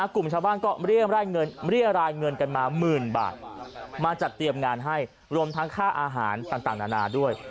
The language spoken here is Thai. กลุ่มชาวบ้านก็เรียรายเงินกันมาหมื่นบาทมาจัดเตรียมงานให้รวมทั้งค่าอาหารต่างนานาด้วย